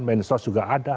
mensos juga ada